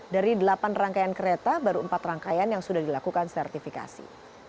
dari delapan rangkaian kereta baru empat rangkaian yang sudah dilakukan sertifikasi